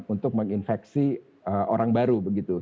untuk menginfeksi orang baru begitu